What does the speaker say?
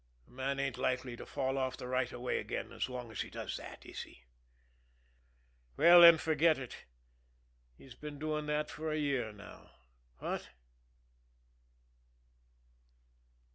A man ain't likely to fall off the right of way again as long as he does that, is he? Well, then, forget it, he's been doing that for a year now what?"